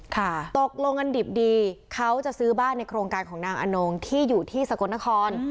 ตกลงกันดิบดีเขาจะซื้อบ้านในโครงการของนางอนงที่อยู่ที่สกลนคร